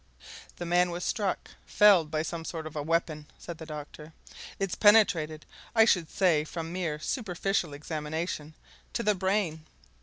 "The man was struck felled by some sort of a weapon," said the doctor. "It's penetrated, I should say from mere superficial examination, to the brain.